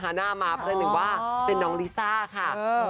หน้ามาประหนึ่งว่าเป็นน้องลิซ่าค่ะ